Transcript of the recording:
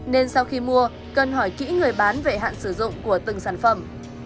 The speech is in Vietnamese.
nên sau khi mua cần hỏi kỹ người bán về hạn sử dụng của từng sản phẩm